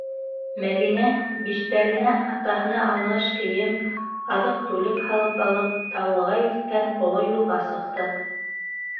Мәҙинә, биштәренә атаһына алмаш кейем, аҙыҡ-түлек һалып алып, Таулыға илткән оло юлға сыҡты.